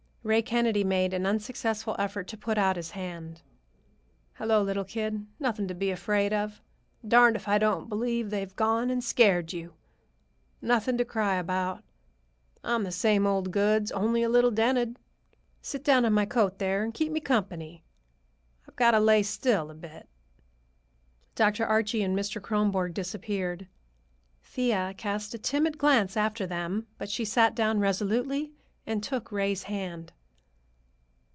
Ray Kennedy made an unsuccessful effort to put out his hand. "Hello, little kid, nothing to be afraid of. Darned if I don't believe they've gone and scared you! Nothing to cry about. I'm the same old goods, only a little dented. Sit down on my coat there, and keep me company. I've got to lay still a bit." Dr. Archie and Mr. Kronborg disappeared. Thea cast a timid glance after them, but she sat down resolutely and took Ray's hand.